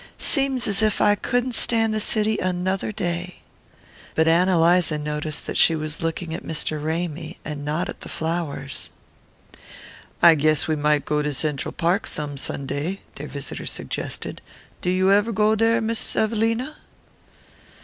Seems as if I couldn't stand the city another day." But Ann Eliza noticed that she was looking at Mr. Ramy, and not at the flowers. "I guess we might go to Cendral Park some Sunday," their visitor suggested. "Do you ever go there, Miss Evelina?"